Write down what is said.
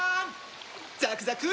ザクザク！